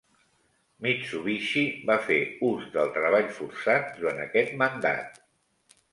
Mitsubishi va fer ús del treball forçat durant aquest mandat.